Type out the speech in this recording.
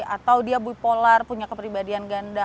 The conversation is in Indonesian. atau dia bipolar punya kepribadian ganda